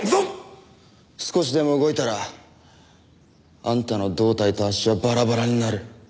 少しでも動いたらあんたの胴体と足はバラバラになる。